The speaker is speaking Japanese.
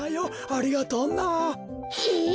ありがとうな。え！